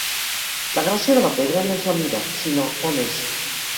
La gràcia de la pedra no és la mida, sinó on és.